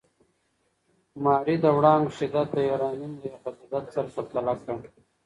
ماري د وړانګو شدت د یورانیم له غلظت سره پرتله کړ.